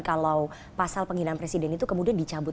kalau pasal penghinaan presiden itu kemudian dicabut